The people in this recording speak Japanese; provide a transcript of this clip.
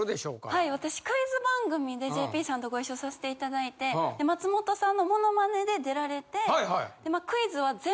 はい私クイズ番組でＪＰさんとご一緒させていただいて松本さんのモノマネで出られて。